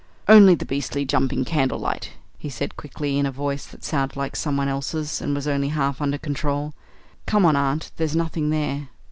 "Only the beastly jumping candle light," he said quickly, in a voice that sounded like someone else's and was only half under control. "Come on, aunt. There's nothing there."